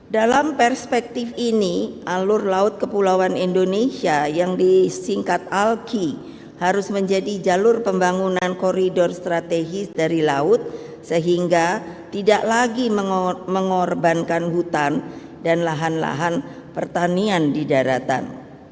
dalam perspektif ini alur laut kepulauan indonesia yang disingkat alki harus menjadi jalur pembangunan koridor strategis dari laut sehingga tidak lagi mengorbankan hutan dan lahan lahan pertanian di daratan